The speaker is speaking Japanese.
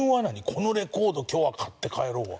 このレコード今日は買って帰ろう？